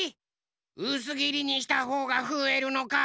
うすぎりにしたほうがふえるのか。